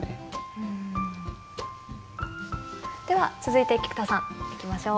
では続いて菊田さんいきましょう。